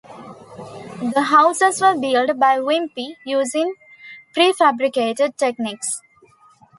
The houses were built by Wimpey, using prefabricated techniques.